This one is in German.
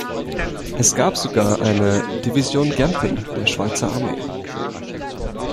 Es gab sogar eine «Division Gempen» der Schweizer Armee.